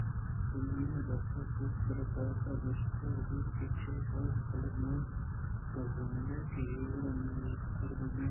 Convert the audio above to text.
دومی ءَ گپ پرٛوشت بلئے کافءَ گوٛشتتو گوٛشت جی ہئو بلئے توزانئےکہ اے وڑارزان نہ اِنت